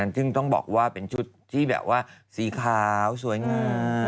ซึ่งต้องบอกว่าเป็นชุดที่แบบว่าสีขาวสวยงาม